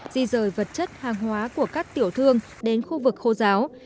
di rời vật chất hàng hóa của các tiểu thương đến khu vực khô giáo